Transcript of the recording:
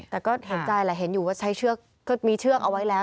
แต่ก็เห็นใจแหละเห็นอยู่ว่าใช้เชือกก็มีเชือกเอาไว้แล้ว